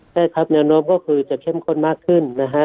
ใช่ครับแนวโน้มก็คือจะเข้มข้นมากขึ้นนะฮะ